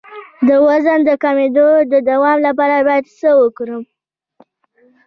د وزن د کمیدو د دوام لپاره باید څه وکړم؟